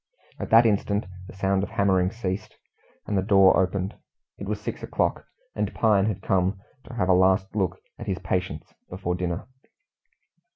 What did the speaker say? At that instant the sound of hammering ceased, and the door opened. It was six o'clock, and Pine had come to have a last look at his patients before dinner.